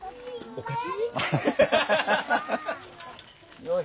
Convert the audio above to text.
お菓子。